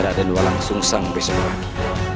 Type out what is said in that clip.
raden walang susang besok lagi